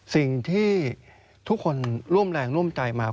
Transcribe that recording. สิ่งที่ทุกคนร่วมแรงร่วมใจมา